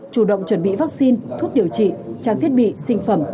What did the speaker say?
chủ động chuẩn bị vaccine thuốc điều trị trang thiết bị sinh phẩm